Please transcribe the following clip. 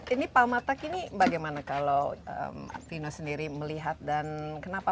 ini pak matak ini bagaimana kalau fino sendiri melihat dan kenapa pak matak